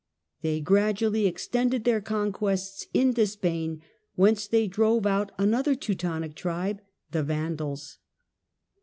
They gradually extended their conquests into Spain, whence they drove out an other Teutonic tribe, the Vandals.